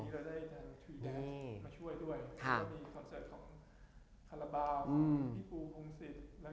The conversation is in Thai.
แล้วก็ในสู่อีกเรื่องจึงคือหลังจากงานเนี่ยเรามีงานคอนเสิร์ตปีที่แล้ว